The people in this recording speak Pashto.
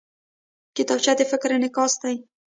کتابچه د فکر انعکاس دی